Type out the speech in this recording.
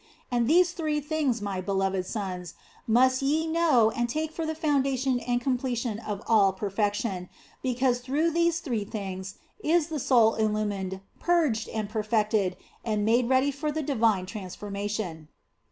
And these three things, my beloved sons, must ye know and take for the foundation and completion of all perfection, because through these three things is the soul illumined, purged, and perfected, and made ready for the divine transformation.